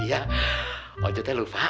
iya wajo teh lupa